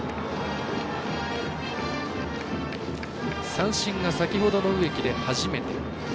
三振が先ほどの植木で初めて。